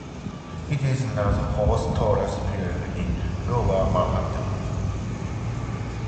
It is now the fourth tallest building in Lower Manhattan.